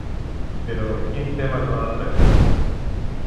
Però, quin tema no han tractat?